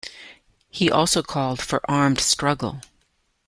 He also called for armed struggle.